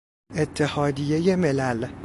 اتحادیهی ملل